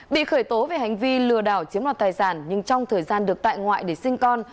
bị khởi tố về hành vi lừa đảo chiếm đoạt tài sản nhưng trong thời gian được tại ngoại để sinh con